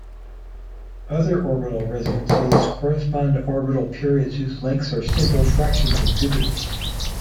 Other orbital resonances correspond to orbital periods whose lengths are simple fractions of Jupiter's.